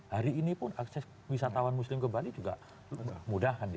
hari ini pun akses wisatawan muslim ke bali juga mudah